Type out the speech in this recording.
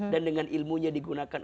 dan dengan ilmunya digunakan